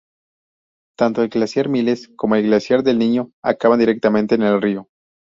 Tanto el glaciar Miles como el glaciar del Niño acaban directamente en el río.